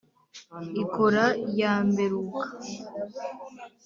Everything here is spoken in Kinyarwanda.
ikora ya mberuka